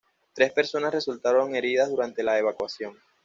Tres personas resultaron heridas durante la evacuación.